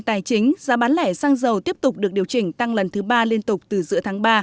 tài chính giá bán lẻ xăng dầu tiếp tục được điều chỉnh tăng lần thứ ba liên tục từ giữa tháng ba